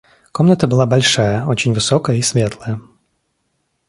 Комната была большая, очень высокая и светлая.